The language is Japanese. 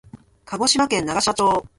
鹿児島県長島町